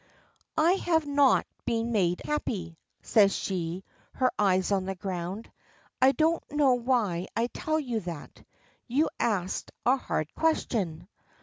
"I have not been made happy," says she, her eyes on the ground. "I don't know why I tell you that. You asked a hard question."